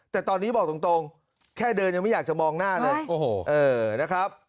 แต่ตอนนี้บอกตรงแค่เดินยังไม่อยากจะมองหน้าเลยนะครับ